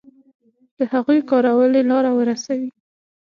د هغوی کارولې لاره ورسوي.